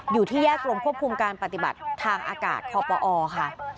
อยู่ที่แยกกรมควบคุมการปฏิบัติทางอากาศคอปอค่ะ